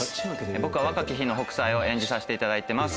僕は若き日の北斎を演じさせていただいてます。